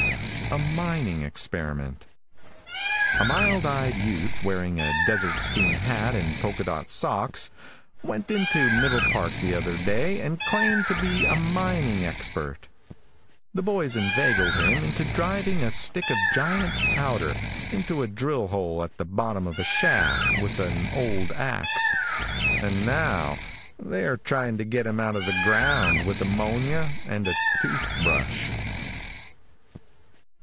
A MINING EXPERIMENT |A MILD EYED youth, wearing a dessert spoon hat and polka dot socks, went into Middle Park the other day and claimed to be a mining expert. The boys inveigled him into driving a stick of giant powder into a drill hole at the bottom of a shaft with an old axe, and now they are trying to get him out of the ground with ammonia and a tooth brush.